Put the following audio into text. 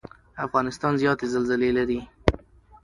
افغانستان زیاتې زلزلې لري.